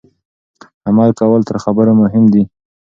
عمل کول تر خبرو مهم دي.